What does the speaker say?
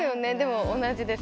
同じです。